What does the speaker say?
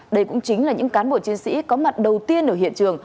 đây cũng chính là những cán bộ chiến sĩ có mặt đầu tiên ở hiện trường